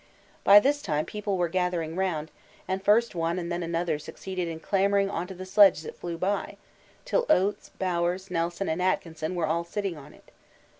By this time people were gathering round, and first one and then another succeeded in clambering on to the sledge as it flew by, till Oates, Bowers, Nelson, and Atkinson were all sitting on it.